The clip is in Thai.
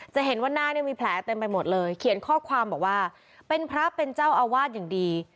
จะเห็นว่าหน้าเนี่ยมีแผลเต็มไปหมดเลยเขียนข้อความบอกว่าเป็นพระเป็นเจ้าอาวาสอย่างดี